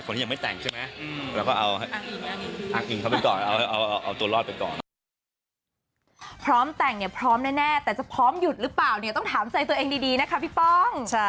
คนที่ยังไม่แต่งใช่ไหมเอาตัวรอดไปก่อน